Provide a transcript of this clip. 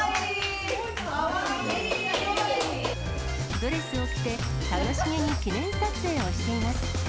ドレスを着て、楽しげに記念撮影をしています。